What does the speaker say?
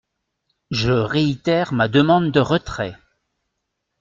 Je réitère ma demande de retrait.